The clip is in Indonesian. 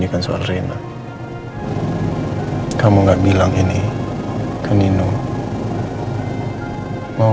kapanpun aku mau